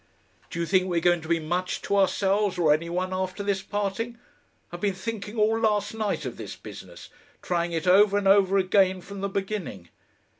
Do you think we're going to be much to ourselves or any one after this parting? I've been thinking all last night of this business, trying it over and over again from the beginning.